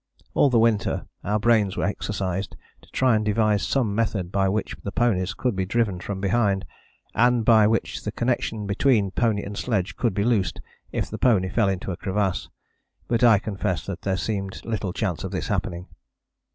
All the winter our brains were exercised to try and devise some method by which the ponies could be driven from behind, and by which the connection between pony and sledge could be loosed if the pony fell into a crevasse, but I confess that there seemed little chance of this happening.